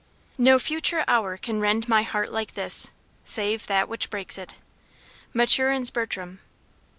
"No future hour can rend my heart like this, Save that which breaks it." MATURIN'S BERTRAM.